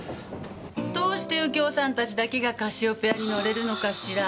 どうして右京さんたちだけがカシオペアに乗れるのかしら？